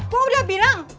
gua udah bilang